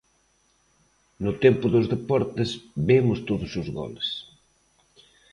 No tempo dos deportes vemos todos os goles.